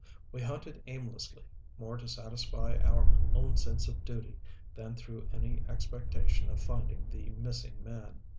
We hunted aimlessly, more to satisfy our own sense of duty than through any expectation of finding the missing man.